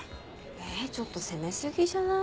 えっちょっと攻め過ぎじゃない？